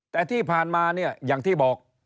แต่ที่ผ่านมาอย่างที่บอก